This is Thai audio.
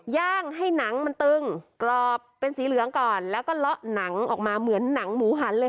ย่างให้หนังมันตึงกรอบเป็นสีเหลืองก่อนแล้วก็เลาะหนังออกมาเหมือนหนังหมูหันเลย